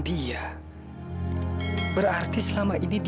kita bisa ditunggu setelah rpp sampai hari ini